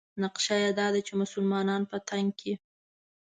نقشه یې دا ده چې مسلمانان په تنګ کړي.